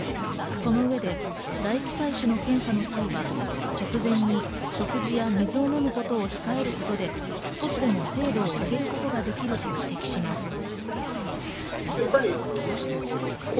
その上で唾液採取の検査の際は直前に食事や水を飲むことを控えることで少しでも精度を上げることができると指摘します。